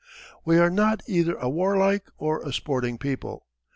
We are not either a warlike or a sporting people.